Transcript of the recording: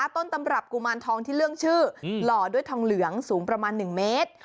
ต้นตำรับกุมารทองที่เรื่องชื่อหล่อด้วยทองเหลืองสูงประมาณ๑เมตร